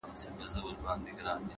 ښه نیت ښه پایله راوړي؛